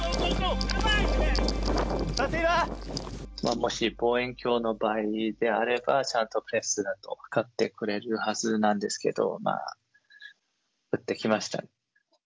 もし望遠鏡の場合であれば、ちゃんとプレスだと分かってくれるはずなんですけど、撃ってきました。